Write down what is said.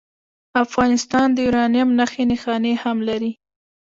افغانستان د یورانیم نښې نښانې هم لري.